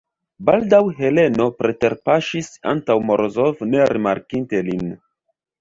Baldaŭ Heleno preterpaŝis antaŭ Morozov, ne rimarkinte lin.